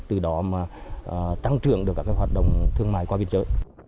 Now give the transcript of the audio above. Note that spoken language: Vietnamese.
từ đó tăng trưởng được các hoạt động thương mại qua biên chế